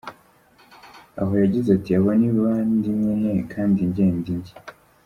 Aho yagize ati : “Abo ni abandi nyine, kandi njye ndi njye”.